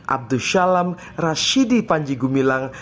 abdus syalam rashidi panji gumilang